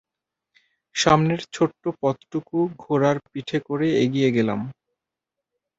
সামনের ছোট্ট পথটুকু ঘোড়ার পিঠে করে এগিয়ে গেলাম।